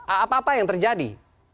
apa apa yang terjadi